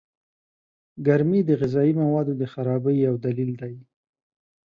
گرمي د غذايي موادو د خرابۍ يو دليل دئ.